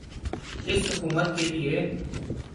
اس حکومت کیلئے۔